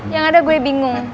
yang ada gue bingung